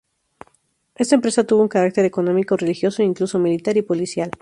Esta empresa tuvo un carácter económico, religioso e incluso militar y policial.